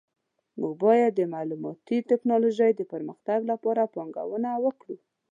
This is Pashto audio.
موږ باید د معلوماتي ټکنالوژۍ د پرمختګ لپاره پانګونه وکړو